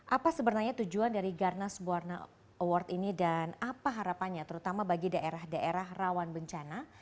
apa sebenarnya tujuan dari garnas buarna award ini dan apa harapannya terutama bagi daerah daerah rawan bencana